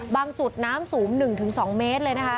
จุดน้ำสูง๑๒เมตรเลยนะคะ